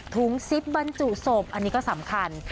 ซิปบรรจุศพอันนี้ก็สำคัญ